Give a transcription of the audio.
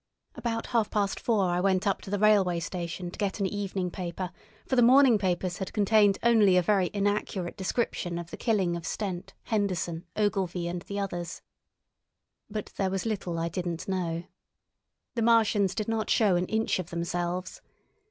About half past four I went up to the railway station to get an evening paper, for the morning papers had contained only a very inaccurate description of the killing of Stent, Henderson, Ogilvy, and the others. But there was little I didn't know. The Martians did not show an inch of themselves.